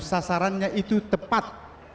sasarannya itu tepat